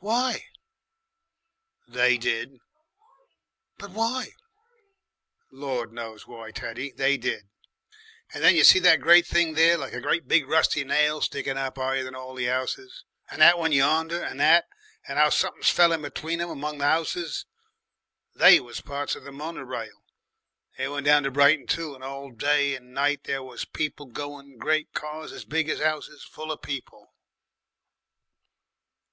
"Why?" "They did." "But why?" "Lord knows why, Teddy. They did. Then you see that great thing there like a great big rusty nail sticking up higher than all the houses, and that one yonder, and that, and how something's fell in between 'em among the houses. They was parts of the mono rail. They went down to Brighton too and all day and night there was people going, great cars as big as 'ouses full of people."